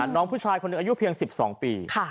น้องผู้ชายคนหนึ่งอายุเพียง๑๒ปี